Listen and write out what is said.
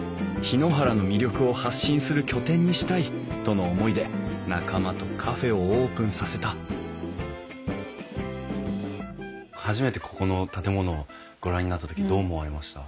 檜原の魅力を発信する拠点にしたいとの思いで仲間とカフェをオープンさせた初めてここの建物をご覧になった時どう思われました？